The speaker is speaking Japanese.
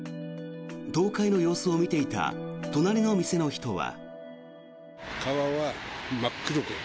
倒壊の様子を見ていた隣の店の人は。